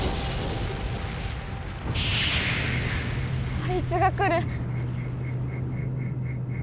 あいつが来る。